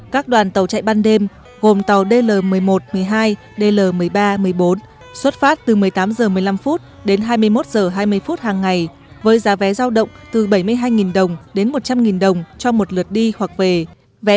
các đoàn tàu chạy ban đêm gồm tàu dl một mươi một một mươi hai dl một mươi ba một mươi bốn xuất phát từ một mươi tám h một mươi năm đến hai mươi một h hai mươi hàng ngày với giá vé giao động từ bảy mươi hai đồng đến một trăm linh đồng cho một lượt đi hoặc về